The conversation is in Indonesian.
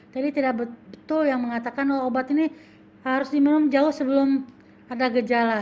jadi tidak betul yang mengatakan obat ini harus diminum jauh sebelum ada gejala